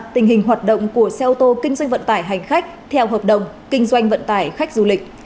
tình hình hoạt động của xe ô tô kinh doanh vận tải hành khách theo hợp đồng kinh doanh vận tải khách du lịch